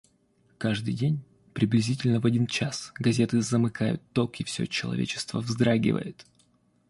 — Каждый день, приблизительно в один час, газеты замыкают ток, и все человечество вздрагивает.